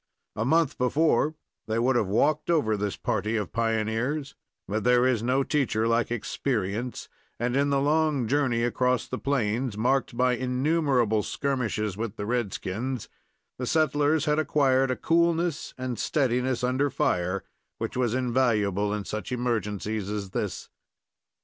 A month before they would have walked over this party of pioneers; but there is no teacher like experience, and in the long journey across the plains, marked by innumerable skirmishes with the red skins, the settlers had acquired a coolness and steadiness under fire which was invaluable in such emergencies as this.